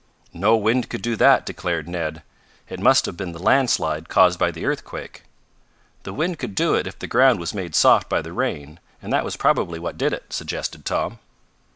"No wind could do that," declared Ned. "It must have been the landslide caused by the earthquake." "The wind could do it if the ground was made soft by the rain; and that was probably what did it," suggested Tom.